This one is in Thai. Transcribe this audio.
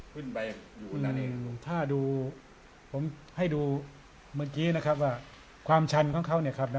ขึ้นไปอยู่เท่านั้นเองถ้าดูผมให้ดูเมื่อกี้นะครับว่าความชันของเขาเนี่ยครับ